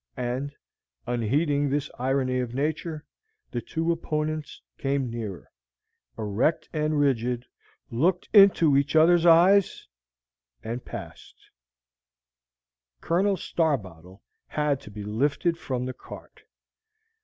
And, unheeding this irony of nature, the two opponents came nearer, erect and rigid, looked in each other's eyes, and passed! Colonel Starbottle had to be lifted from the cart.